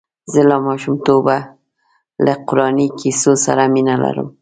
زه له ماشومتوبه له قراني کیسو سره مینه لرم.